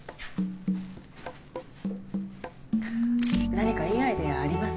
何かいいアイデアあります？